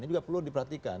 ini juga perlu diperhatikan